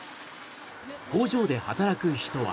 工場で働く人は。